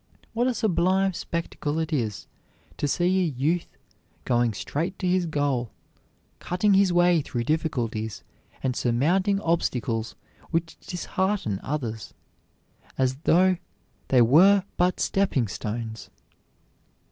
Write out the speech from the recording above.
What a sublime spectacle it is to see a youth going straight to his goal, cutting his way through difficulties, and surmounting obstacles which dishearten others, as though they were but stepping stones!